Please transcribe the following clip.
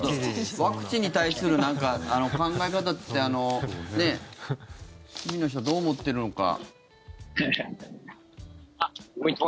ワクチンに対する考え方って市民の人どう思っているのか。